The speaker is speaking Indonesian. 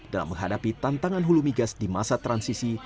dalam menghadapi tantangan hulu migas di masa transisi